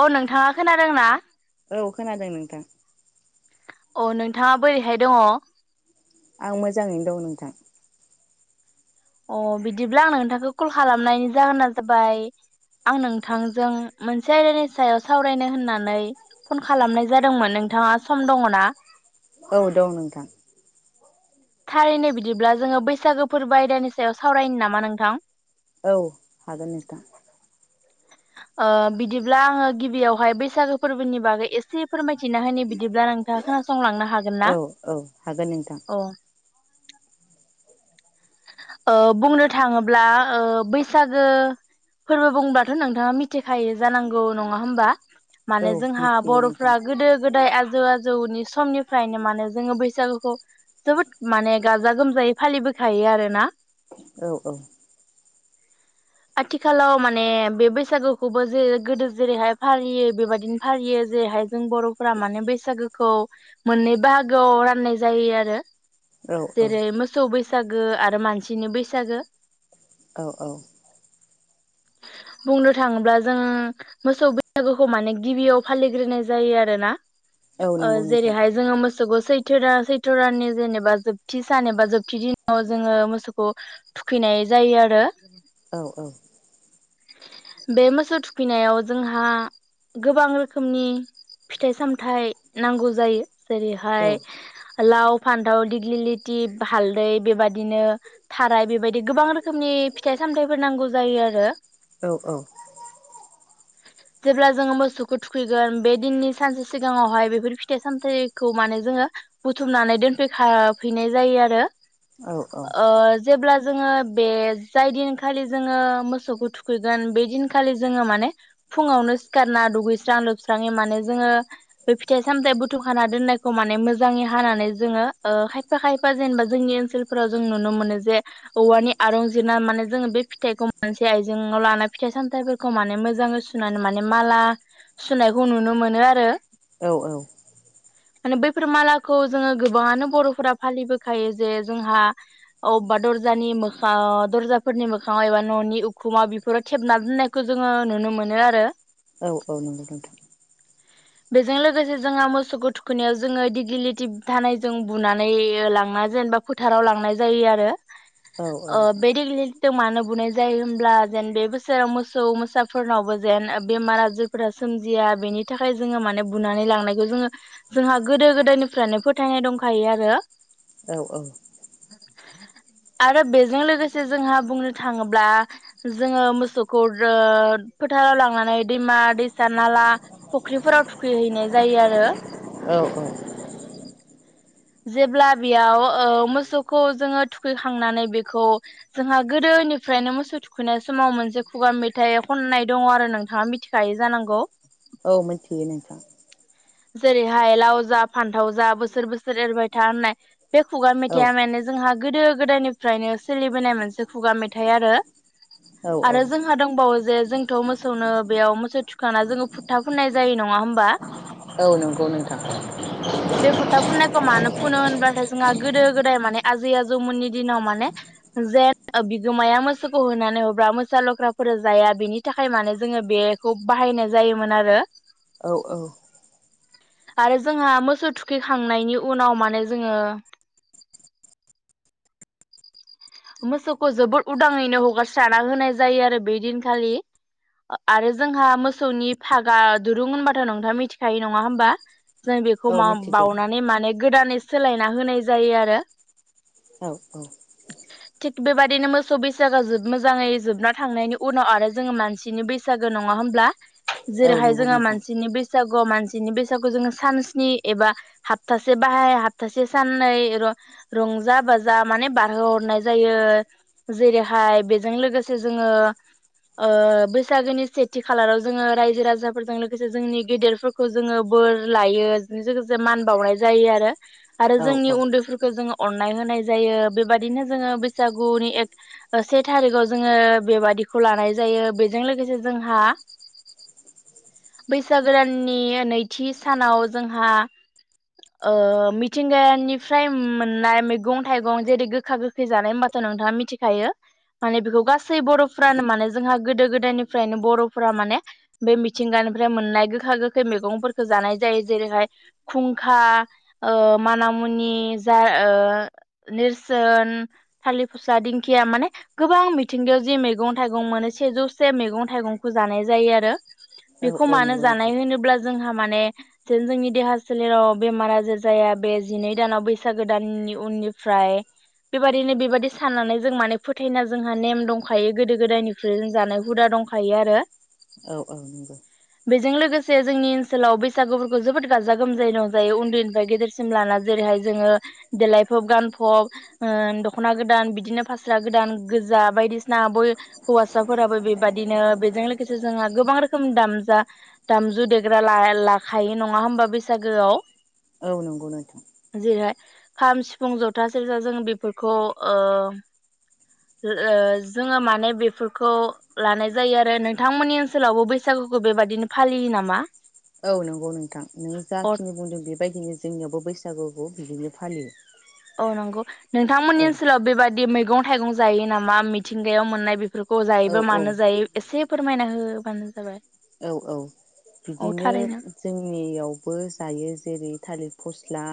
अ नोंथाङा खोनादों ना? औ खोनादों नोंथां औ अ नोंथाङा बोरैहाय दङ? आं मोजाङैनो दं नोंथां। अ बिदिब्ला आं नोंथांखौ कल खालामनायनि जाहोना जाबाय आं नोंथांजों मोनसे आयदानि सायाव सावरायनो होननानै फन खालामनाय जादोंमोन नोंथाङा सम दङ ना? औ दं नोंथां। थारैनो बिदिब्ला जोङो बैसागो फोरबो आयदानि सायाव सावरायनो नामा नोंथां औ हागोन नोंथां। ओ बिदिब्ला आङो गिबियावहाय बैसागो फोरबोनि बागै एसे फोरमायथिना होनो बिदिब्ला नोंथाङा खोनासंलांनो हा औ औ हागोन नोंथां। ओ बुंनो थाङोब्ला ओ बैसागो फोरबो बुंब्लाथ नोंथाङा मिथिखायो जानांगौ नङा होमबा औ माने जोंहा मिथियो बर' नोंथां फ्रा गोदो गोदाय आ जै आजौनि समनिफ्रायनो माने जोङो बैसागुखौ जोबोद माने गाजा गोमजायै फालिबो थायो आरो ना? औ औ। आथिखालाव माने बे बैसागुखौबो जे गोदो जेरैहाय फालियो बेबदिनो फालियो जेरैहाय जों बर'फोरा माने बैसागुखौ मोननै बाहागोआव राननाय जायो आरो। औ जेरै औ मोसौ बै बैसागो आरो मानसिनि बैसागो। औ औ बुंनो थाङोब्ला जों मोसौ बैसागोखौ माने गिबियाव फालिग्रोनाय जायो आरोना। औ ओ नंगौ नोंथां जेरैहाय जोङो मोसौखौ सैथ थो दा सैथ दाननि जेनेबा जोबथि सान एबा जोबथि दिन जोङो मोसौखौ थुखैनाय जायो आरो। औ औ। बे मोसौ थुखैनायाव जोंहा गोबां रोखोमनि फिथाइ सामथाइ नांगौ जायो। औ जेरैहाय लाव फान्थाव दिग्लिलिति हालदै बेबादिनो थाराय बेबायदि गोबां रोखोमनि फिथाइ सामथाइफोर नांगौ जायो आरो। औ औ जेब्ला जोङो मोसौखौ थुखैगोन बे दिननि सानसे सिगाङावहाय बेफोर फिथाइ सामथायाइखौ माने जोङो बुथुमनानै दोनफैखाफैनाय जायो आरो। औ ओ जेब्ला जोङो बे जाय दिनखालि जोङो मोसौ थु खैगोन बे दिनखालि जोङो माने फुङावनो सिखारना दुगैस्रां लोबस्राङै माने जोङो बे फिथाइ सामथाइ बुथुमखाना दोननायखौ माने मोजाङै हानानै जोङो ओ खायफा खायफा जेनेबा जोंनि ओनसोलफोराव जों नुनो मोनो जे औवानि आरुं जिरना माने जोङो बे फिथाइखौ मोनसे आयजे जों लानाय फिथाइ सामथायाइफोरखौ माने मोजाङै सुनानै माने माला सुनायखौ नुनो मोनो आरो। औ औ माने बैफोर मालाखौ जोङो गोबाङानो बर'फोरा फालिबोखायो जे जोंहा अबेबा दरजानि मोखाआव दरजाफोरनि मोखाङाव एबा न' नि उखुमाव बेफोरो थेबना दोननायखौ जोङो नुनो मोनो आरो औ औ नंगौ नोंथां। बेजों लोगोसे जोङो मोसौखौ थुखैनायाव जोङो दिग्लिलिटि धानायजों बुनानै लांना जेनेबा फोथाराव लांनाय जायो आरो। औ औ ओ बे दिगलि जों मानो बुनाय जायो ब्ला जेन बे बोसोराव मोसौ मोसाफोरनावबो जेन बेमार आजारफोरा सोमजिया बेनि थाखाय जोङो माने बुनानै लांनायखौ जोङो जोंहा गोदो गोदायनिफ्रायनो फोथायनाय दंखायो आरो। औ औ। आरो बेजों लोगोसे जोंहा बुंनो थाङोब्ला जोङो मोसौखौ रो फोथाराव लांनानै दैमा दैसा नाला फुख्रिफोराव थुखैहैनाय जायो आरो औ औ जेब्ला बेयाव ओ मोसौखौ जोङो थुखैखांनानै बेखौ जोंहा गोदोनिफ्रायनो मोसौ थुखैनाय समाव मोनसे खुगा मेथाइ खननाय दङ आरो नोंथाङा मिथिखायो जानांगौ औ मोनथियो नोंथां। जेरैहाय लाव जा फान्थाव जा बोसोर बोसोर एरबाय था होननाय। बे खुगा औ मेथाया माने जोंहा गोदो गोदायनिफ्रायनो सोलिबोनाय मोनसे खुगा मेथाइ आरो औ औ आरो जोंहा दंबावो जे जोंथ मोसौनो बेयाव मोसौ थुखैखांना जोङो फुथा फुननाय जायो नङा होमबा। औ नंगौ नोंथां बे फुथा फुननायखौ मानो फुनो होनबाथाय जोंहा गोदो गोदाय माने आजै आजौमोननि दिनाव माने जेन बिगोमाया मोसौखौ होनानै हरब्ला मोसा लख्राफोर जाया बेनि थाखाय माने जोङो बेखौ बाहायनाय जायोमोन आरो औ औ आरो जोंहा मोसौ थुखैखांनायनि उनाव माने जोङो मोसौखौ जोबोद उदाङैनो हगारस्राना होनाय जायो आरो बे दिनखालि आरो जोंहा मोसौनि फागा दुरुं होनबाथ नोंथाङा मिथिखायो नङा होमबा जों बेखौ औ माव मिथिगौ बावनानै माने गोदानै सोलायना होनाय जायो आरो औ औ थिग बेबायादिनो मोसौ बैसागो जोब मोजाङै जोबना थांनायनि उनाव आरो जोङो मानसिनि बैसागो नङा होमब्ला‌। औ जेरैहाय नंगौ जोंहा नोंथां मानसिनि बैसागु मानसिनि बैसागु जों सानस्नि एबा हाफ्थासे बाहाय हाफ्थासे साननै रंजा बाजा माने बारहोहरनाय जायो जेरैहाय बेजों लोगोसे जोङो ओ बैसागोनि सेथि खालाराव जोङो रायजो राजाफोरजों लोगोसे जोंनि गेदेरफोरखौ जोङो बोर लायो बे लोगोसे मान बावनाय जायो आरो। आरो औ जोंनि उन्दैफोरखौ जोङो। अननाय होनाय जायो बेबदिनो जोङो बैसागुनि एक से थारिखआव जोङो बेबादिखौ लानाय जायो बेजों लोगोसे जोंहा बैसागो दाननि नैथि सानाव जोंहा ओ मिथिंगानिफ्राय मोननाय मैगं थाइगं जेरै गोखा गोख खै जानाय बाथ नोंथाङा मिथिखायो माने बेखौ गासै बर'फ्रानो माने जोंहा गोदो गोदायनिफ्रायनो बर'फोरा माने बे मिथिंगानिफ्राय मोननाय गोखा गोखै मैगंफोरखौ जानाय जायो। जेरैहाय खुंखा ओ मानामुनि जा ओ नेरसोन। थालिर फसा दिंखिया माने गोबां मिथिंगायाव जि मैगं थाइगं मोनो सेजौसे मैगं थाइगंखौ जानाय जायो आरो। औ बेखौ औ मानो नंगौ जानाय नोंथां होनोब्ला जोंहा माने जेन जोंनि देहा सोलेराव बेमार आजार जाया बे जिनै दानाव बैसागो दाननि उननिफ्राय बेबायदिनो बेबायदि साननानै जों माने फोथायना जोंहा नेम दंखायो गोदो गोदायनिफ्राय्रुइ जों जानाय हुदा दंखायो आरो औ औ नंगौ। बेजों लोगोसे जोंनि ओनसोलाव बैसागुफोरखौ जोबोद गाजा गोमजायै रंजायो उन्दैनिफ्राय गेदेरसिम लाना जेरैहाय जोङो देलायफब गानफब ओ दखना गोदान बिदिनो फास्रा गोदान गोजा बायदिसिना बय हौवासाफोराबो बेबादिनो बेजों लोगोसे जोंहा गोबां रोखोम दामजा दामजु देग्रा लाखायो नङा होमबा बैसागोआव औ नंगौ नोंथ जेरैहाय खाम सिफुं जथा सेरजा जों बेफोरखौ ओ ओ जोङो माने बेफोरखौ लानाय जायो आरो नोंथांमोननि ओनसोलावबो बैसागुखौ बेबादिनो फालियो नामा? औ नोंगौ नोंथां नों अ जाखिनि बुंदों बेबायदिनो जोंनियावबो बैसागुखौ बिदिनो फालियो। औ नंगौ। नोंथांमोननि औ ओनसोलाव बेबायदि मैगं मैगं थाइगं जायो नामा मिथिंगायाव मोननाय बेफोरखौ खौ जायोबा औ मानो जायो एसे फोरमायना होबानो जाबाय। औ औ औ बिदिनो थारैनो जोंनियावबो जायो जेरै थालिर फस थ्ला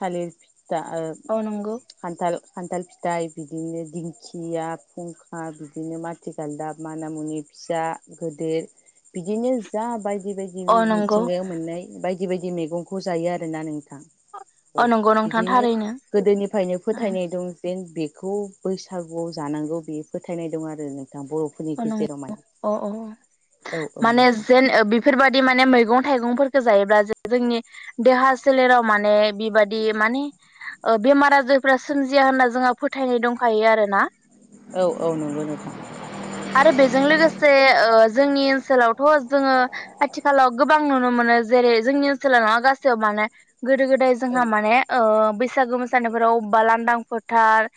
थालिर पि दा ओ औ नंगौ खान्थाल। खान्थाल फिथाइ बिदिनो दिंखिया फुंखा बिदिनो माथि गालदाब मानामुनि फिसा गोदर बिदिनो जा बाय जिबायदि औ मि नंगौ मिथिंगायाव मोननाय बायदि बायदि बायदि मैगंखौ जायो आरोना नोंथां। औ नंगौ नोंथां बिदिनो थारैनो गोदोनिफ्रायनो फोथायनाय दं जेन बेखौ बैसागुआव जानांगौ बे फोथायनाय दं आरो नो थां बरफोरनि औ नं गेजेराव माने अ अ औ औ माने नोंथां जेन बिफोरबा दि माने मैगं थाइगंफोरखौ जायोब्ला जोंनि देहा सोलेराव माने बेबादि माने ओ बेमार आजारफ्रा सोमजिया होनना जोंहा फोथायनाय दंखायो आरोना। औ औ नंगौ नोंथां। आरो बेजों लोगोसे ओ जोंनि ओनसोलावथ जोङो आथिखालाव गोबां नुनो मोनो जेरै जोंनि ओनसोलाव नङा गासैयाव माने गोदो गोदाय औ जोंहा माने ओ बैसागो मोसानायफोराव बा लांदां फोथार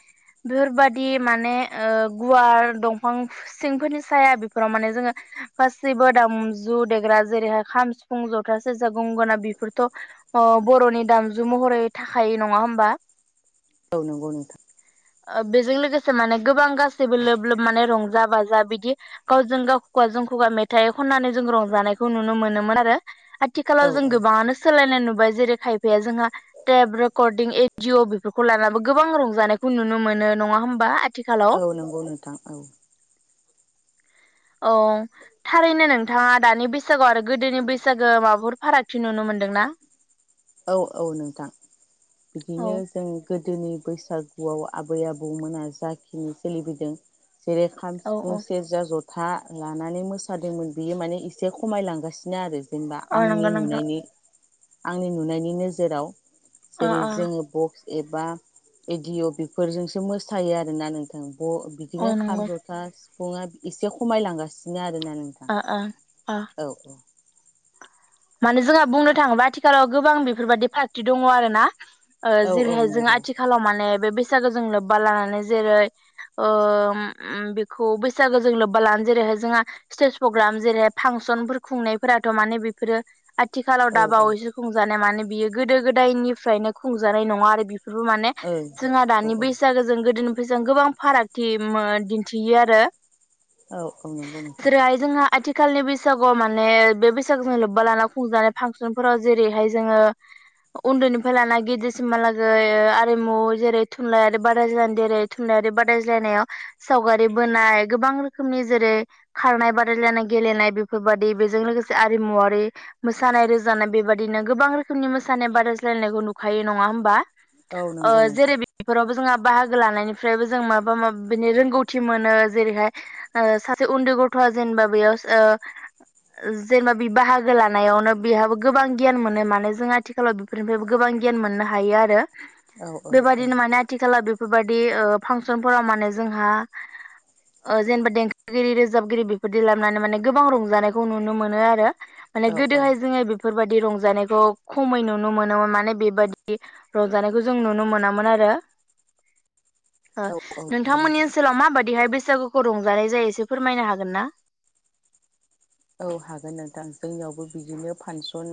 बेफोरबादि माने ओ गुवार दंफां बिफां सिंफोरनि साया बेफोराव माने जोङो गासैबो दामजु देग्रा जेरैहाय खाम, सिफुं, जथा, सेरजा, गंगोना बेफोरथ' अ बर'नि दामजु महरै थाखायो नङा होमबा? औ नंगौ नोंथां। ओ बेजों लोगोसे माने गोबां गासैबो लोब लोब माने रंजा-बाजा बिदि गावजों गाव खुगाजों खुगा मेथाइ खननानै जों रंजानायखौ नुनो मोनोमोन आरो आथि औ आथिखालाव जों गोबाङानो सोलायनाय नुबाय जेरै खायफाया जोंहा टेब रेकर्डिं एदिअ बेफोरखौ लानानै गोबां रंजानायखौ नुनो मोनो नङा होम्बा आ औ नंगौ नोंथां। औ। औ थारैनो नोंथाङा दानि बैसागोआव आरो गोदोनि बैसागो माबाफोर फारागथि नुनो मोनदोंना? औ औ नोंथां बिदिनो औ जों गोदोनि बैसागुआव आबै आबौमोना जाखिनि सोलिबोदों जेरै खाम औ सिफुं औ सेरजा जथ था लानानै मोसादोंमोन बेयो माने एसे खमायलांगासिनो आरो जेनेबा औ आंनि नंगौ नोंथां नुनायनि आंनि नुनायनि नोजोराव अ जेरै अ जोङो बक्स एबा एदिअ बेफोरजोंसो मोसायो आरोना नोंथां अ औ बिदिनो खाम नंगौ जथा सिफुङा एसे खमायलांगासिनो आरो [unintelligible] नोंथां अ अ अ औ औ। माने जोंहा बुंनो थाङोबा आथिखालाव गोबां बेफोरबादि पार्टि दङ आरो ना। ओ औ औ जेरैहाय जों नंगौ आथिखालाव माने बे बैसागोजों लोब्बा लानानै जेरै ओ मम बेखौ बैसागोजों लोब्बा लानानै जेरैहाय जोंहा स्टेज प्रग्राम जेरैहाय फांसनफोर खुंनायफोराथ माने बेफोरो आथिखालाव औ औ ओं दाबावैसो खुंजानाय मानो बियो गोदो गोदायनिफ्रायनो खुंजानाय नङा आरो बेबो माने जोंहा औ औ दानि बैसागोजों गोदोनि जों गोबां फारागथि मओ दिन्थियो आरो औ खम नंगौ नोंथां। खालि बैसागुआव माने बे बैसागुजों बा लाना खुंजानाय फांसनफोराव जेरैहाय जोङो उन्दैनिफ्राय लाना गिदिरसिमहालागै आरिमु जेरै थुनलाइयारि बादाज्लाय जेरै थुनलाइयारि बादायज्लायनायाव सावगारि बोनाय गोबां रोखोमनि जेरै खारनाय बादायलायनाय गेलेनाय बेफोरबादि बेजों लोगोसे आरिमुवारि मोसानाय रोजानाय बेबादिनो गोबां रोखोमनि मोसानाय बादायज्लायनायखौ नुखायो नङा होमबा औ ओ नंगौ नोंथां जेरै बेफोरावबो जोंहा बाहागो लानायनिफ्रायबो जों माबा माबिनि रोंगौथि मोनो जेरैहाय सासे उन्दै गथ'आ जेनेबा बेयाव जेनेबा बे बाहागो बाहागो लानायावनो बेहाबो गोबां गियान मोनो माने जों आथिखालाव बेफोरनिफ्रायबो गोबां गियान मोननो हायो आरो। औ औ औ बेबायादिनो माने आथिखाला बे बेफोरबायदि ओ फांसनफोराव माने जोंहा जेनेबा देंखोगिरि रोजाबगिरि बेफोरदि लाबोनानै माने गोबां रंजानायखौ नुनो मोनो आरो माने औ गोदोहाय जोङो बेफोरबायदि रंज रंजानायखौ खमै नुनो मोनोमोन माने बेबादि रंजानायखौ जों नुनो मोनामोन आरो। ओ औ औ नंगौ नोंथांमोननि नोंथां ओनसोलाव माबादिहाय बैस सागुखौ रंजानाय जायो एसे फोरमायनो हागोन ना औ हागोन नोंथां जोंनियावबो बिदिनो फानसन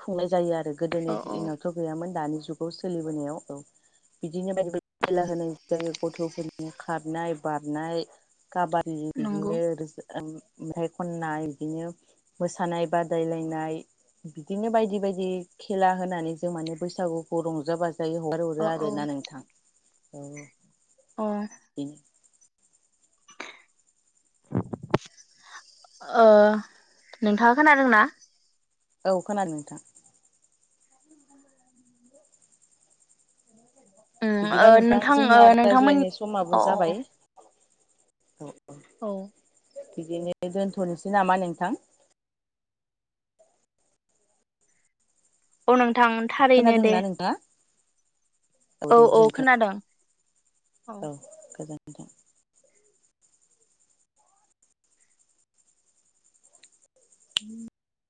खुंनाय जायो आरो गोदोनि दिनावथ गैयामोन दानि बेखौ सोलिबोनायाव औ बिदिनो बायदि बायदि खेला होनाय जायो गथफोरनि खारनाय बारनाय काबादि नंगौ बिदिनो ओं ओमफ्राय खननाय बिदिनो मोसानाय बादायलायनाय बिदिनो बायदि बायदि खेला होनानै जों माने बैसागुखौ रंजााबाज फै अ हगारहरो ओ आरोना नोंथां औ [inaudible] ओ नोंथाङा खोनादोंना? औ खोनादों नोंथां। उम ओ बिदिबा नोंथां जोंनिया ओ नोंथांमोन रायज्लायनाय समाबो अ अ जाबाय। अ औ बिदिनो दोनथनोसै नामा नोंथां अ नों थां थारैनो दे। खोनादोंना नोंथाङा औ दे औ गोजोनथों खोनादों। औ गोजोन नोंथां [unintelligible]